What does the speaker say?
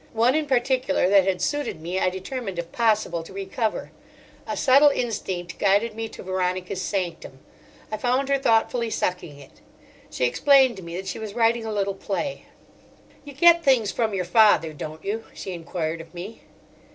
One in particular that had suited me I determined if possible to recover. A subtle instinct guided me to Veronica's sanctum. I found her thoughtfully sucking it. She explained to me that she was writing a little play. "You get things from your father, don't you?" she enquired of me.